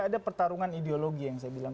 ada pertarungan ideologi yang saya bilang